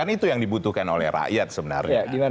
kan itu yang dibutuhkan oleh rakyat sebenarnya